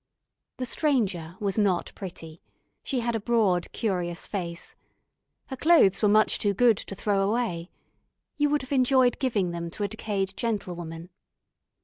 The Stranger was not pretty; she had a broad, curious face. Her clothes were much too good to throw away. You would have enjoyed giving them to a decayed gentlewoman.